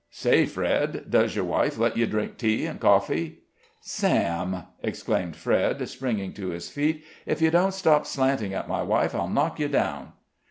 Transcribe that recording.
Say, Fred, does your wife let you drink tea and coffee?" "Sam!" exclaimed Fred, springing to his feet, "if you don't stop slanting at my wife, I'll knock you down."